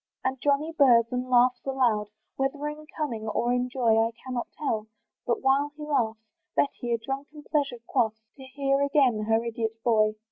And Johnny burrs and laughs aloud, Whether in cunning or in joy, I cannot tell; but while he laughs, Betty a drunken pleasure quaffs, To hear again her idiot boy.